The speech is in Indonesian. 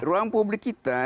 ruang publik kita